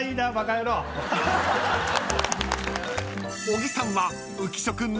［小木さんは］